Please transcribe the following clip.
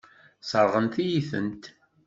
Sseṛɣent-iyi-tent.